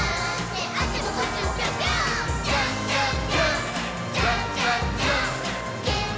「じゃんじゃん！